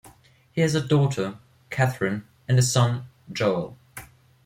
He has a daughter, Kathryn, and a son, Joel.